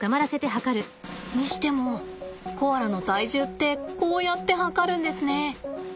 にしてもコアラの体重ってこうやって量るんですね。